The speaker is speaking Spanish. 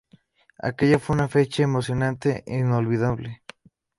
Aquella fue una fecha emocionante e inolvidable.